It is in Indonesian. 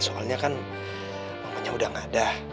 soalnya kan mamanya udah gak ada